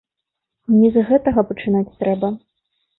Не з гэтага пачынаць трэба!